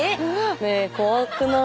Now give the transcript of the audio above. ねえ怖くない？